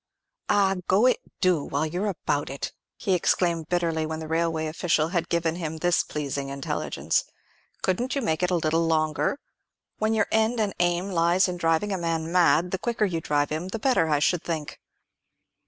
"Ah, go it, do, while you're about it!" he exclaimed, bitterly, when the railway official had given him this pleasing intelligence. "Couldn't you make it a little longer? When your end and aim lies in driving a man mad, the quicker you drive the better, I should think!"